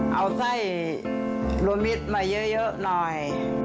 เอาไส้รวมมิตรมาเยอะหน่อย